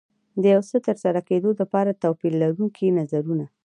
د یو څه ترسره کېدو لپاره توپير لرونکي نظرونه.